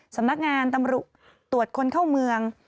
สำนักงานตำรวจตรวจคนเข้าเมือง